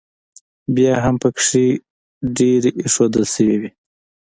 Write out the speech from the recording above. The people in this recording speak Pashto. بیا هم پکې ډېرې ایښوول شوې وې.